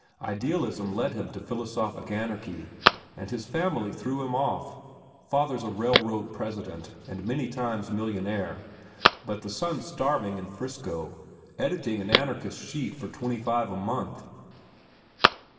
Idealism led him to philosophic anarchy, and his family threw him off. Father's a railroad president and many times millionnaire, but the son's starving in 'Frisco, editing an anarchist sheet for twenty five a month."